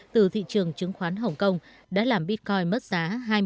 từ thị trường chứng khoán hồng kông đã làm bitcoin mất giá